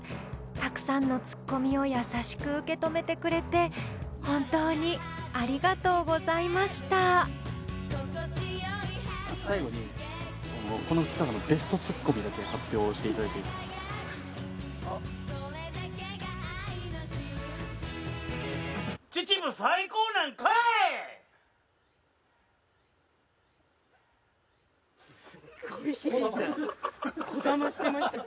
たくさんのツッコミを優しく受け止めてくれて本当にありがとうございましたすっごい響いたこだましてましたよ。